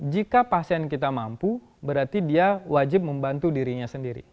jika pasien kita mampu berarti dia wajib membantu dirinya sendiri